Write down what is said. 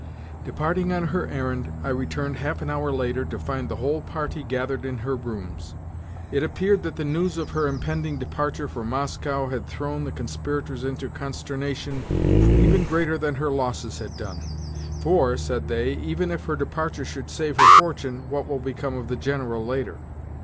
Departing on her errand, I returned half an hour later to find the whole party gathered in her rooms. It appeared that the news of her impending departure for Moscow had thrown the conspirators into consternation even greater than her losses had done. For, said they, even if her departure should save her fortune, what will become of the General later?